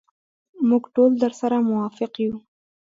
موږ ټول درسره موافق یو.